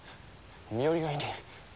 身寄りがいねぇ。